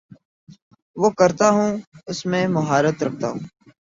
وہ کرتا ہوں اس میں مہارت رکھتا ہوں